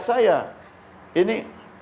kemudian ketiga saya ini